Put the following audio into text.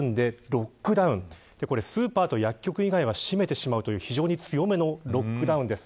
スーパーと薬局以外は閉めてしまうという非常に強めのロックダウンです。